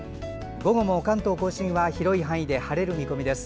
午後も関東・甲信は広い範囲で晴れる見込みです。